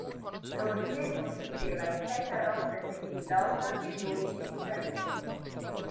L'ordine consisteva in sei carrozze semipilota e dodici intermedie.